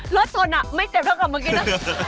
สนไม่เจ็บเท่ากับเมื่อกี้นะ